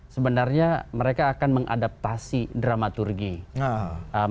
sebenarnya mereka itu berada di zona nyamannya prabowo juga di zona nyamannya